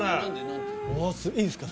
いいんすか？